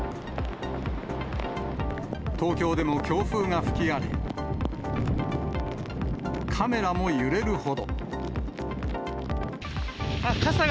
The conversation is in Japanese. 東京でも強風が吹き荒れ、カメラも揺れるほど。